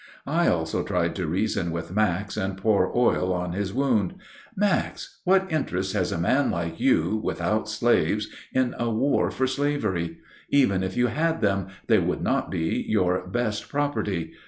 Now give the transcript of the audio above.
I also tried to reason with Max and pour oil on his wound. "Max, what interest has a man like you, without slaves, in a war for slavery? Even if you had them, they would not be your best property.